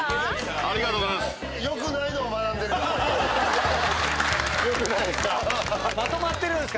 ありがとうございます